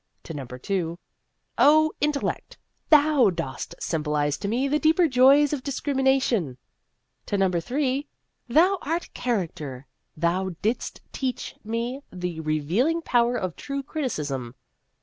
' To number two, ' O Intellect ! thou dost sym bolize to me the deeper joys of discrimi nation !' To number three, ' Thou art Character. Thou didst teach me the re vealing power of true criticism.'